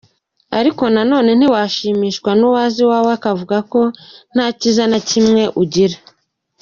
Ariko na none ntiwashimishwa n’uwaza iwawe akavuga ko nta kiza na kimwe ugira.